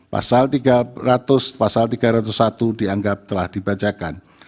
pasal tiga ratus satu dianggap telah dibacakan